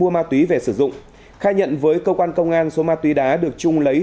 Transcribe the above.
mua ma túy về sử dụng khai nhận với cơ quan công an số ma túy đá được trung lấy